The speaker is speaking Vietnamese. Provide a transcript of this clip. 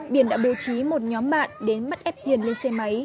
biển đã bố trí một nhóm bạn đến bắt ép hiền lên xe máy